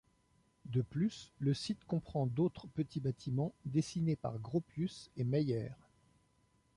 De plus, le site comprend d'autre petits bâtiments dessinés par Gropius et Meyer.